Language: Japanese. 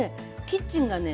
キッチンがね